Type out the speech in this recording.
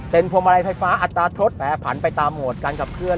เป็นพวงมาลัยไฟฟ้าอัตราทศแผลผันไปตามโหมดการขับเคลื